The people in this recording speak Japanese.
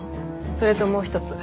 それともう一つ。